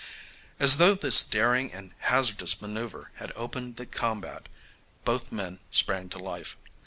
As though this daring and hazardous manoeuvre had opened the combat, both men sprang to life.